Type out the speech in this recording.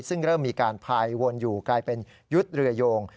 ซึ่งเริ่มมีการพายวนอยู่กลายเป็นยุทธ์เรือโยง